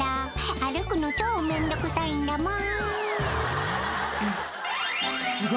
歩くの超面倒くさいんだもん。